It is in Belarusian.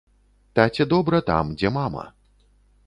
Таце добра там, дзе мама.